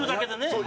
そう。